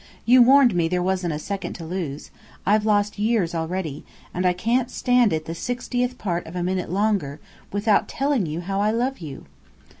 "You warned me there wasn't a second to lose. I've lost years already, and I can't stand it the sixtieth part of a minute longer, without telling you how I love you!"